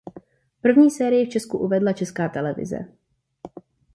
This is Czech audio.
První sérii v Česku uvedla Česká televize.